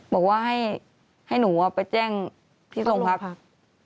บอกว่าให้หนูไปแจ้งที่โรงพักครับ